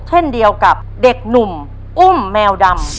เช่นเดียวกับเด็กหนุ่มอุ้มแมวดำ